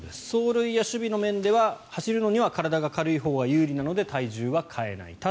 走塁や守備の面では走るのには体が軽いほうが有利なので体重は変えない。